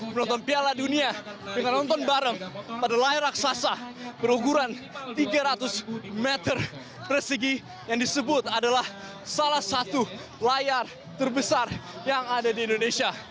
menonton piala dunia dengan nonton bareng pada layar raksasa berukuran tiga ratus meter persegi yang disebut adalah salah satu layar terbesar yang ada di indonesia